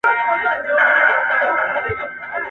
مزه اخلي هم له سپکو هم ښکنځلو ..